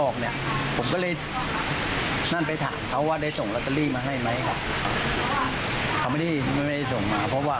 เขาให้ข้อมูลไว้เขาว่าลัตเตอรี่อยู่ที่ไหนแล้วยังไง